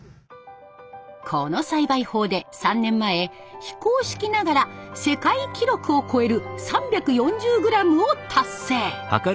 この栽培法で３年前非公式ながら世界記録を超える３４０グラムを達成。